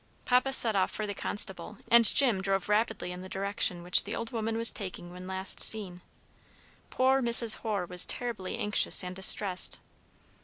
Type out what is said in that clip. Papa set off for the constable, and Jim drove rapidly in the direction which the old woman was taking when last seen. Poor Mrs. Hoare was terribly anxious and distressed.